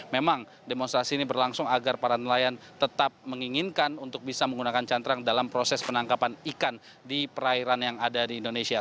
memang demonstrasi ini berlangsung agar para nelayan tetap menginginkan untuk bisa menggunakan cantrang dalam proses penangkapan ikan di perairan yang ada di indonesia